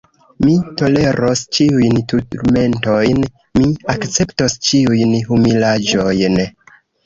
Mi toleros ĉiujn turmentojn, mi akceptos ĉiujn humilaĵojn.